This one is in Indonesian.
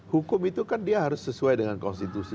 hukum itu kan dia harus sesuai dengan konstitusi